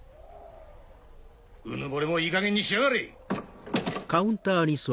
うぬぼれもいいかげんにしやがれ！